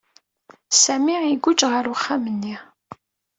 Sami iguǧǧ ɣer uxxam-nni.